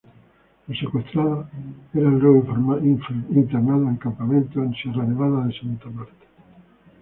Los secuestrados eran luego internados en campamentos en la Sierra Nevada de Santa Marta.